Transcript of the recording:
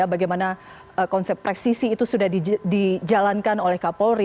bagaimana konsep presisi itu sudah dijalankan oleh kak polri